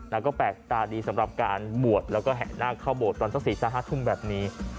แล้วก็แปลกตาดีสำหรับการบวชแล้วก็แห่งหน้าเข้าบวชตอนศักดิ์สหภาคทุ่มแบบนี้